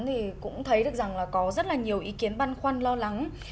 thì cũng thấy được rằng là có rất là nhiều ý kiến băn khoăn lo lắng